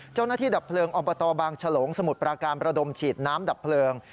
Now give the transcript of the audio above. เจ้าหน้าที่ดับเพลิงอบบางชะโหลงสมุดปราการประดมฉีดน้ำดับเพลิง